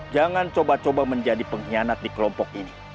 jangan coba coba menjadi pengkhianat di kelompok ini